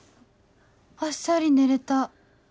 あっさり寝れた